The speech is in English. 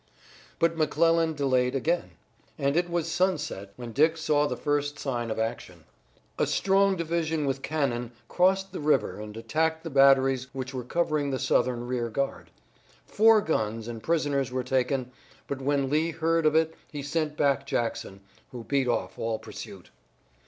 But McClellan delayed again, and it was sunset when Dick saw the first sign of action. A strong division with cannon crossed the river and attacked the batteries which were covering the Southern rearguard. Four guns and prisoners were taken, but when Lee heard of it he sent back Jackson, who beat off all pursuit.